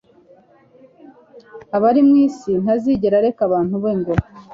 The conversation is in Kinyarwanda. abari mu isi ntazigera areka abantu be ngo